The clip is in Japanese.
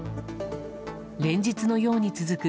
連日のように続く